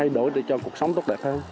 đổi để cho cuộc sống tốt đẹp hơn